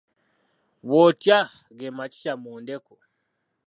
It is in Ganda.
Botya ge makikya mu ndeku.